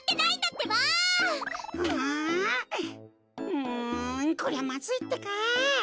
うんこりゃまずいってか。